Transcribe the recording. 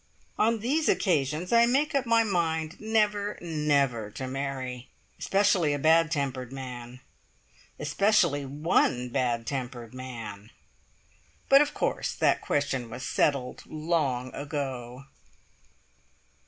On these occasions I make up my mind never, never to marry. Especially a bad tempered man. Especially one bad tempered man! But, of course, that question was settled long ago.